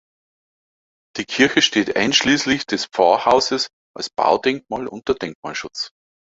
Die Kirche steht einschließlich des Pfarrhauses als Baudenkmal unter Denkmalschutz.